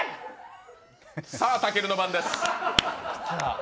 さあ、たけるの番です！